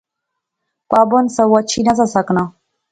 پابند سا، او اچھی نہسا سکنا